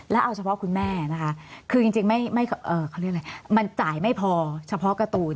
แล้วเอาเฉพาะคุณแม่นะคะคือจริงไม่มันจ่ายไม่พอเฉพาะการ์ตูน